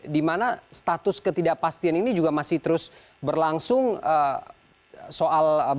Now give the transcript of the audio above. di mana status ketidakpastian ini juga masih terus berlangsung soal bagaimana